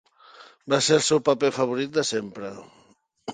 Va ser el seu paper favorit de sempre.